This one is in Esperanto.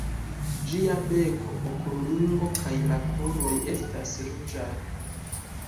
Ĝia beko, okulringo kaj la kruroj estas ruĝaj.